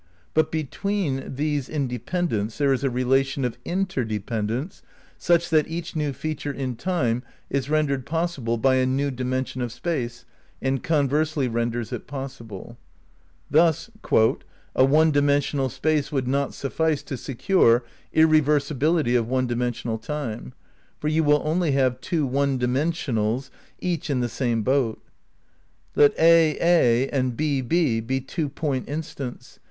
But between these independents there is a relation of inter dependence such that "each new feature in Time is rendered possible by a new dimension of Space and conversely renders it possible." {Space, Time and Deity: p. 51). Thus: "a one dimensional Space would not sufSee to se cure" irreversibility of one dimensional Time. For you will only have two one dimensionals, each in the same boat. Let aA and &B be two point instants.